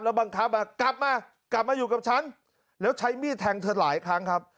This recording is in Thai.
บังคับว่ากลับมากลับมาอยู่กับฉันแล้วใช้มีดแทงเธอหลายครั้งครับ